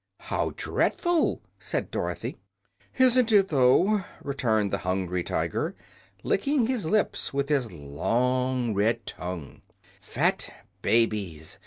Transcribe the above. "How dreadful!" said Dorothy. "Isn't it, though?" returned the Hungry Tiger, licking his lips with his long red tongue. "Fat babies!